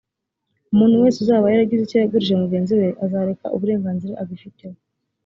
umuntu wese uzaba yaragize icyo yagurije mugenzi we, azareka uburenganzira agifiteho;